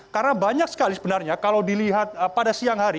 karena banyak sekali sebenarnya kalau dilihat pada siang hari